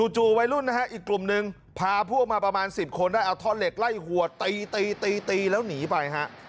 จู่วัยรุ่นนะฮะอีกกลุ่มนึงพาพวกมาประมาณ๑๐คนได้เอาท่อนเหล็กไล่หัวตีตีแล้วหนีไปฮะ